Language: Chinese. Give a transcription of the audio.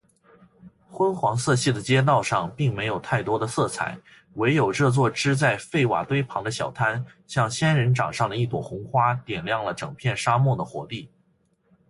昏黄色系的街道上，并没有太多的色彩，唯有这座支在废瓦堆旁的小摊，像仙人掌上的一朵红花，点亮了整片沙漠的活力。